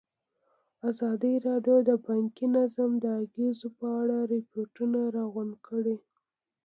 ازادي راډیو د بانکي نظام د اغېزو په اړه ریپوټونه راغونډ کړي.